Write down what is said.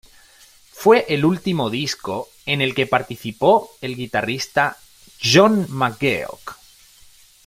Fue el último disco en el que participó el guitarrista John McGeoch.